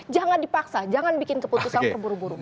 jangan dipaksa jangan bikin keputusan terburu buru